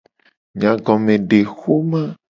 Nyagomedexoma.